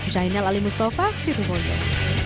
jainal ali mustafa situ pondok